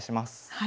はい。